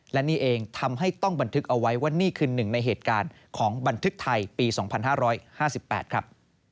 และนี่เองทำให้ต้องบันทึกเอาไว้ว่านี่คือหนึ่งในเหตุการณ์ของบันทึกไทยปี๒๕๕๘ครับ